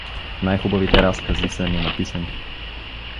Най-хубавите разкази са ненаписани.